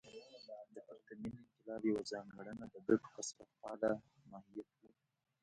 د پرتمین انقلاب یوه ځانګړنه د ګټو کثرت پاله ماهیت و.